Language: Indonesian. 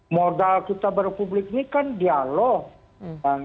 modal kita berpublik ini kan dialog